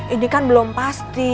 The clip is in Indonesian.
ini kan belum pasti